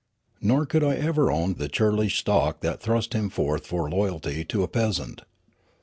Nor could I ever own the churlish stock that thrust him forth for loyalty to a peasant.